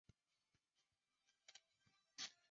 伊比库伊是巴西巴伊亚州的一个市镇。